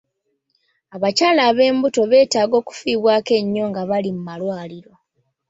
Abakyala ab'embuto beetaaga okufiibwako ennyo nga bali mu malwaliro.